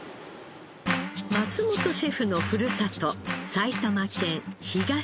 松本シェフのふるさと。